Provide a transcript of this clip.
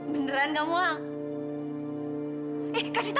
beneran gak mau ulang